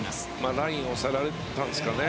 ラインを押されたんですかね。